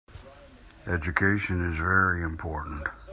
Education is very important.